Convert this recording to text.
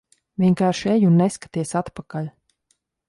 Vienkārši ej un neskaties atpakaļ.